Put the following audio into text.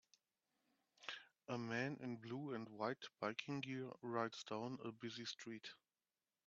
A man in blue and white biking gear rides down a busy street.